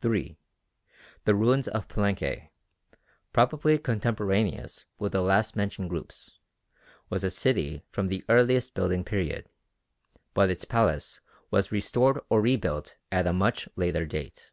3. The ruins of Palenque, probably contemporaneous with the last mentioned groups, was a city from the earliest building period, but its palace was restored or rebuilt at a much later date.